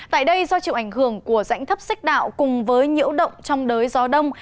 tại đây do chịu ảnh hưởng của rãnh thấp xích đạo cùng với nhiễu động trong đới gió đông